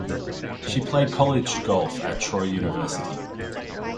She played college golf at Troy University.